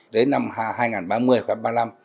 đến năm hai nghìn ba mươi khoảng ba mươi năm